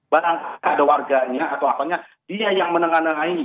barang ada warganya atau apanya dia yang menengah nengah ini